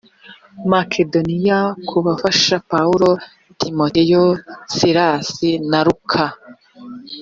makedoniya kubafasha pawulo timoteyo silasi na luka